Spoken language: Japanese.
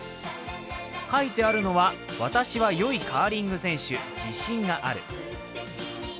書いてあるのは、私は良いカーリング選手、自信がある。